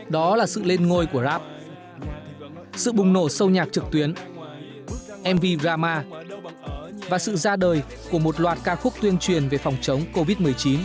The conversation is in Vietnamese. đó là sự lên ngôi của rap sự bùng nổ sâu nhạc trực tuyến mv d drama và sự ra đời của một loạt ca khúc tuyên truyền về phòng chống covid một mươi chín